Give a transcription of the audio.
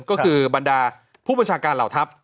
ก็คือบรรดาผู้บัญชาการเหล่าทัพ